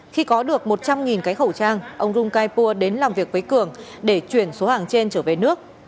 khi có được một trăm linh cái khẩu trang ông rung kaipua đến làm việc với cường để chuyển số hàng trên trở về nước